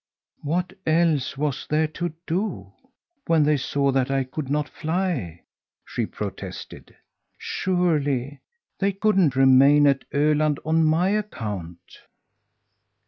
"What else was there to do, when they saw that I could not fly?" she protested. "Surely they couldn't remain at Öland on my account!"